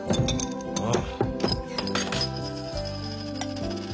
ああ。